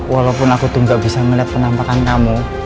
walaupun aku tuh gak bisa melihat penampakan kamu